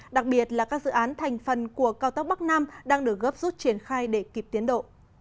đặc biệt là các dự án thành phần của cao tốc bắc nam đang được gấp rút triển khai để kịp tiến độ